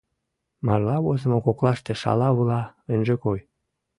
Марла возымо коклаште шала-вула ынже кой.